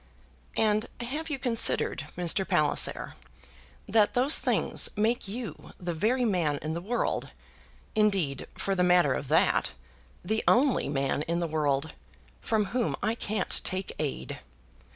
"And have you considered, Mr. Palliser, that those things make you the very man in the world, indeed, for the matter of that, the only man in the world, from whom I can't take aid.